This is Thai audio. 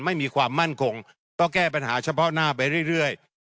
ไม่มีความมั่นคงก็แก้ปัญหาเฉพาะหน้าไปเรื่อย